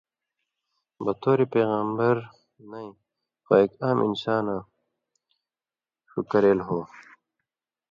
بطور پېغمبر نَیں خو اېک عام انسانَیں شُو کرېل ہو۔